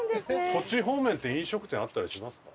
こっち方面って飲食店あったりしますか？